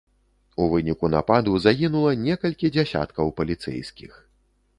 У выніку нападу загінула некалькі дзясяткаў паліцэйскіх.